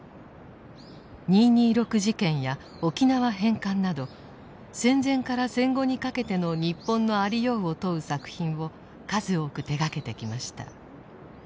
二・二六事件や沖縄返還など戦前から戦後にかけての日本のありようを問う作品を数多く手がけてきました。